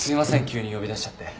急に呼び出しちゃって。